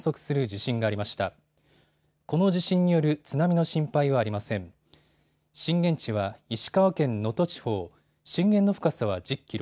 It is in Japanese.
震源地は石川県能登地方震源の深さは１０キロ。